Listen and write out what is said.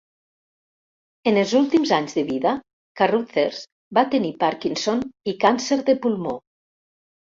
En els últims anys de vida, Carruthers va tenir Parkinson i càncer de pulmó.